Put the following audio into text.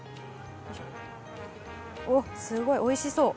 おっすごいおいしそう。